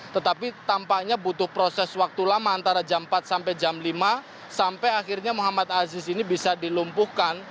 tetapi tampaknya butuh proses waktu lama antara jam empat sampai jam lima sampai akhirnya muhammad aziz ini bisa dilumpuhkan